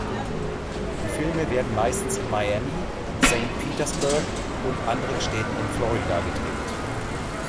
Die Filme werden meistens in Miami, Saint Petersburg oder anderen Städten in Florida gedreht.